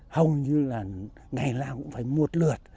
hầu như là ngày nào cũng phải một lượt